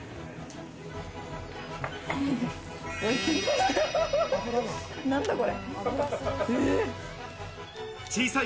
おいしい！